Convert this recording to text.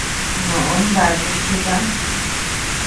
Noʼó nbaku chebä.